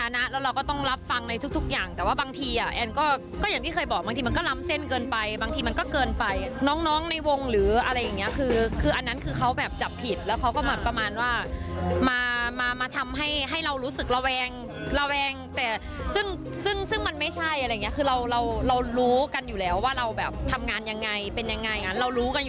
งานยังไงเป็นยังไงงานเรารู้กันอยู่แล้วว่าคนของเราเป็นยังไงอะไรอย่างเงี้ย